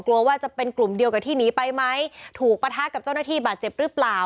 กลัวว่าจะเป็นกลุ่มเดียวกับที่หนีไปไหมถูกปะทะกับเจ้าหน้าที่บาดเจ็บหรือเปล่า